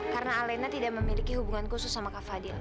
karena alena tidak memiliki hubungan khusus sama kak fadil